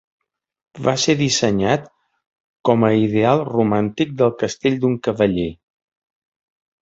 Va ser dissenyat com a ideal romàntic del castell d'un cavaller.